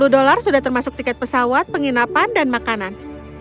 dua puluh dolar sudah termasuk tiket pesawat penginapan dan makanan